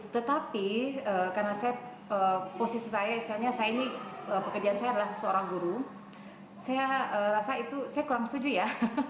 tetapi karena posisi saya misalnya pekerjaan saya adalah seorang guru saya kurang setuju ya